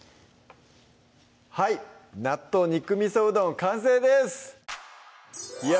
はい「納豆肉みそうどん」完成ですいや